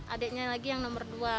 adeknya lagi yang nomor dua yang tk